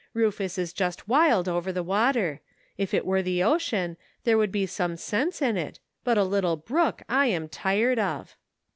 Rufus is just wild over the water. If it were the ocean there would be some sense in it, but a little brook I am tired of."